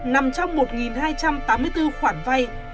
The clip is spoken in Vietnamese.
nằm trong một hai trăm tám mươi bốn khoản vay